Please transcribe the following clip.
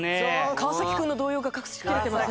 川君の動揺が隠しきれてません。